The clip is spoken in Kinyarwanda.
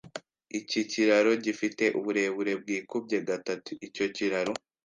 Iki kiraro gifite uburebure bwikubye gatatu icyo kiraro.